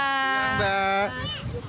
selamat siang mbak